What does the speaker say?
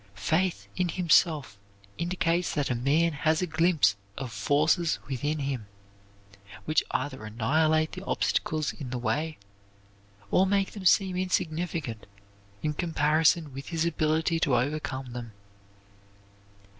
Faith in himself indicates that a man has a glimpse of forces within him which either annihilate the obstacles in the way, or make them seem insignificant in comparison with his ability to overcome them.